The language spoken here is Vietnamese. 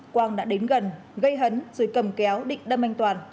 quang đã đến gần gây hấn rồi cầm kéo địch đâm anh toàn